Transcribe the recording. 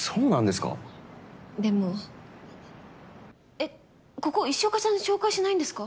えっここ石岡さんに紹介しないんですか？